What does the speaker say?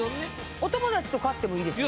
お友達と買ってもいいですよ。